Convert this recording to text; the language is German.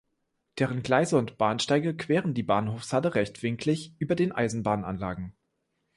Deren Gleise und Bahnsteige queren die Bahnhofshalle rechtwinklig über den Eisenbahnanlagen.